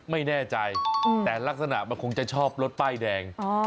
ไม่แน่ใจแต่ลักษณะมันคงจะชอบรถป้ายแดง